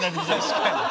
確かに。